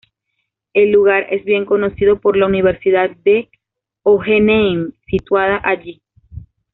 El lugar es bien conocido por la Universidad de Hohenheim, situada allí.